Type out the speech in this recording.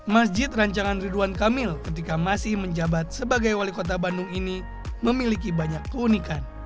masjid rancangan ridwan kamil ketika masih menjabat sebagai wali kota bandung ini memiliki banyak keunikan